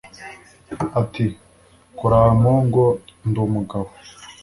ati “Kora aha Mpongo ndi umugabo”